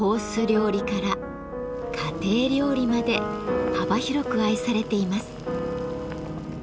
料理から家庭料理まで幅広く愛されています。